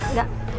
tadi saya gak